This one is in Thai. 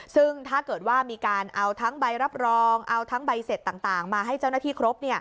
ซึ่งถ้าเกิดว่ามีการเอาทั้งใบรับรองเอาทั้งใบเสร็จต่างมาให้เจ้าหน้าที่ครบ